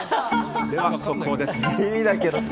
では、速報です。